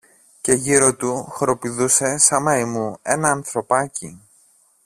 και γύρω του χοροπηδούσε σα μαϊμού ένα ανθρωπάκι